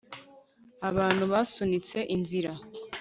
abantu basunitse inzira